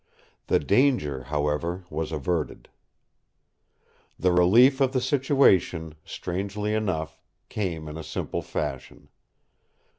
The danger, however, was averted. The relief of the situation, strangely enough, came in a simple fashion.